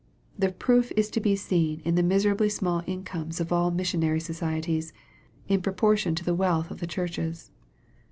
The proof is to be seen in the miserably Bmall incomes of all the missionary societies, in propor tion to the wealth of the churches.